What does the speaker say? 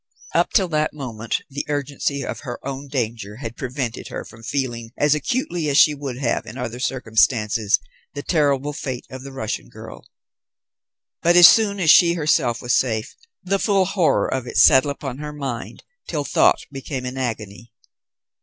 Up till that moment, the urgency of her own danger had prevented her from feeling as acutely as she would have in other circumstances the terrible fate of the Russian girl; but, as soon as she herself was safe, the full horror of it settled upon her mind till thought became an agony.